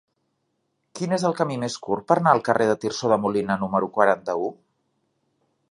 Quin és el camí més curt per anar al carrer de Tirso de Molina número quaranta-u?